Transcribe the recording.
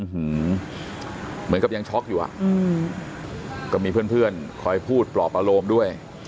เหมือนกับยังช็อกอยู่อ่ะก็มีเพื่อนเพื่อนคอยพูดปลอบอารมณ์ด้วย